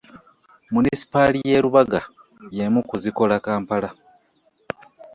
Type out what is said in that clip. Munisipaali y'e Lubaga y'emu ku zikola Kampala.